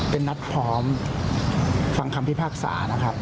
เป็นนัดพร้อมฟังคำพิพากษานะครับ